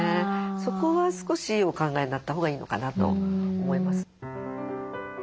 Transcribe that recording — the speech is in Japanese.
そこは少しお考えになったほうがいいのかなと思います。